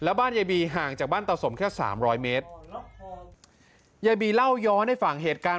บ้านยายบีห่างจากบ้านตาสมแค่สามร้อยเมตรยายบีเล่าย้อนให้ฟังเหตุการณ์